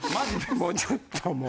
もうちょっともう。